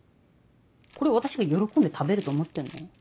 これを私が喜んで食べると思ってんの？